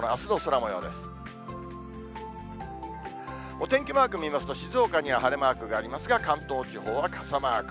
お天気マーク見ますと、静岡には晴れマークがありますが、関東地方は傘マーク。